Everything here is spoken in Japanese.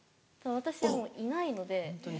私はもういないので。